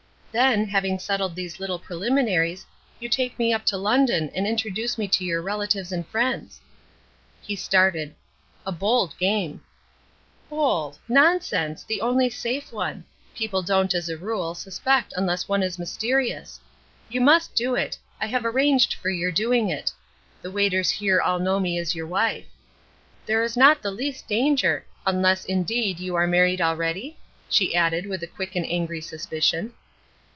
"Then, having settled these little preliminaries, you take me up to London and introduce me to your relatives and friends." He started. "A bold game." "Bold! Nonsense! The only safe one. People don't, as a rule, suspect unless one is mysterious. You must do it; I have arranged for your doing it. The waiters here all know me as your wife. There is not the least danger unless, indeed, you are married already?" she added, with a quick and angry suspicion.